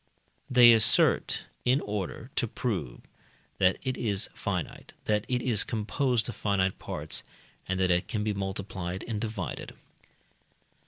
they assert, in order to prove that it is finite, that it is composed of finite parts, and that it can be multiplied and divided.